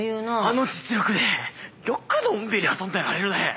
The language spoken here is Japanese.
あの実力でよくのんびり遊んでられるね